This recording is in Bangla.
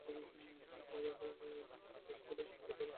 যাহা হউক, সকলের নিকট হইতে তাড়না খাইয়া সংশয়ীর দল থামিয়া গেল।